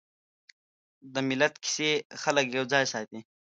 د ملت کیسې خلک یوځای ساتي.